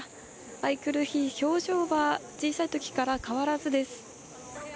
愛くるしい表情は小さいときから変わらずです。